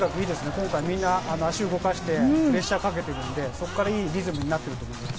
今回、みんな足を動かしてプレッシャーをかけているので、そこからいいリズムになっています。